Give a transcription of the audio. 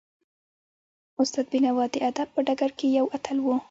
استاد بینوا د ادب په ډګر کې یو اتل و.